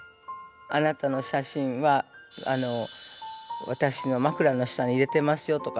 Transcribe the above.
「あなたの写真は私のまくらの下に入れてますよ」とか。